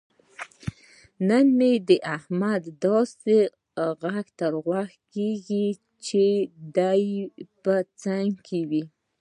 نن مې داسې د احمد غږ تر غوږو کېږي. چې دی به څنګه وي.